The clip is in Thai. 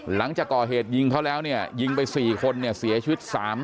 หลังจากก่อเหตุยิงเขาแล้วเนี่ยยิงไป๔คนเนี่ยเสียชีวิต๓คน